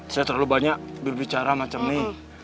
saya terlalu banyak berbicara macam ini